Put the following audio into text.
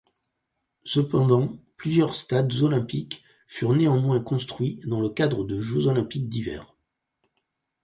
Cependant, plusieurs stades olympiques furent néanmoins construits dans le cadre de Jeux olympiques d'hiver.